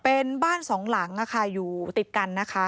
เป็นบ้านสองหลังอยู่ติดกันนะคะ